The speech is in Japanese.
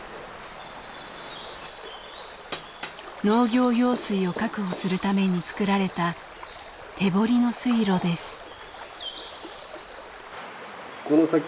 農業用水を確保するために作られた手掘りの水路です。